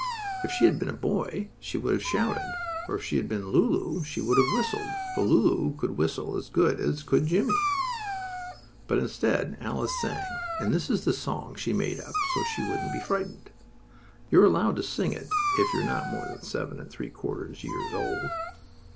If she had been a boy, she would have shouted, or if she had been Lulu she would have whistled, for Lulu could whistle as good as could Jimmie. But instead Alice sang, and this is the song she made up so she wouldn't be frightened. You are allowed to sing it if you are not more than seven and three quarters years old.